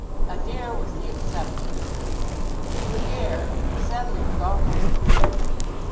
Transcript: Adair was the exception. To Adair, Sedleigh was almost a religion.